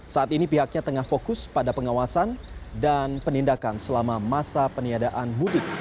saat ini pihaknya tengah fokus pada pengawasan dan penindakan selama masa peniadaan mudik